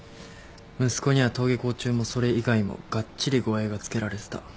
息子には登下校中もそれ以外もがっちり護衛が付けられてた。